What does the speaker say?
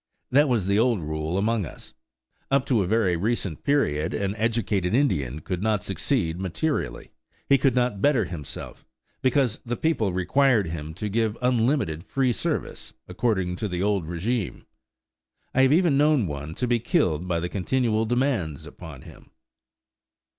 That was the old rule among us. Up to a very recent period an educated Indian could not succeed materially; he could not better himself, because the people required him to give unlimited free service, according to the old régime. I have even known one to be killed by the continual demands upon him.